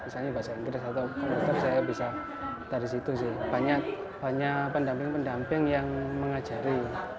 saya bisa setelahnya saya bisa dari situ sih banyak pendamping pendamping yang mengajari